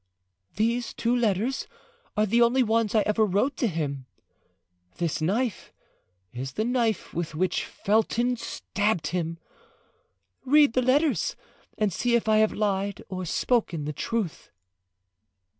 "These two letters are the only ones I ever wrote to him. This knife is the knife with which Felton stabbed him. Read the letters and see if I have lied or spoken the truth."